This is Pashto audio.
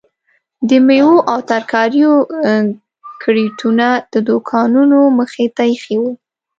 د میوو او ترکاریو کریټونه د دوکانو مخې ته ایښي وو.